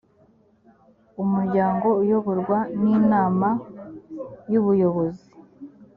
umuryango uyoborwa n inama y ubuyobozi